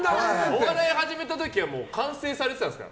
お笑い始めた時は完成されてたんですか？